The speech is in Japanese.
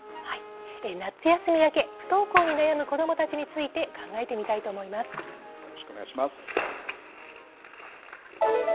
夏休み明け、不登校に悩む子どもたちについて考えてみたいとよろしくお願いします。